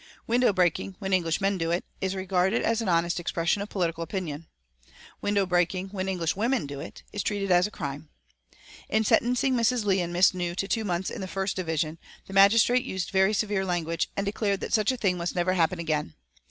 Window breaking, when Englishmen do it, is regarded as honest expression of political opinion. Window breaking, when Englishwomen do it, is treated as a crime. In sentencing Mrs. Leigh and Miss New to two months in the first division, the magistrate used very severe language, and declared that such a thing must never happen again.